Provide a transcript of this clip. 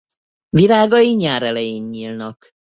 Virágai nyár elején nyílnak.